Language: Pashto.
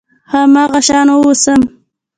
هماغه شان واوسم .